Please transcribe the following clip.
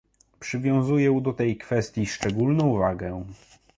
Przywiązuję do tej kwestii szczególną wagę